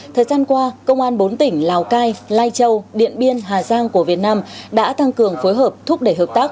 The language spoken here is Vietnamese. thời gian qua công an bốn tỉnh lào cai lai châu điện biên hà giang của việt nam đã tăng cường phối hợp thúc đẩy hợp tác